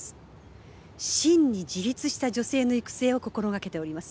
真に自立した女性の育成を心がけております。